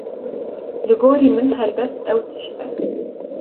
Li gorî min helbest ew tişt e